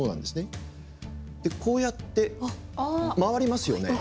こうやって回りますよね。